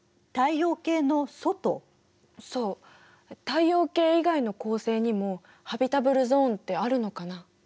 そう太陽系以外の恒星にもハビタブルゾーンってあるのかな？